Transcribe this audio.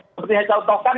seperti yang saya contohkan